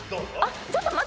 ちょっと待った！